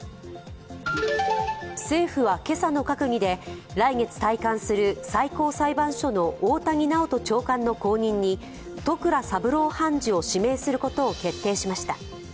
政府は今朝の閣議で、来月退官する最高裁判所の大谷直人長官の後任に戸倉三郎判事を指名することを決定しました。